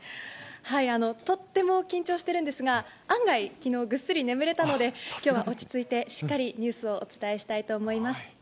とっても緊張してるんですが、案外、きのう、ぐっすり眠れたので、きょうは落ち着いて、しっかりニュースをお伝えしたいと思います。